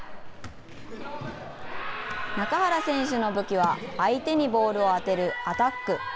中原選手の武器は、相手にボールを当てるアタック。